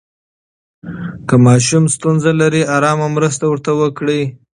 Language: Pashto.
که ماشوم ستونزه لري، آرامه مرسته ورته وکړئ.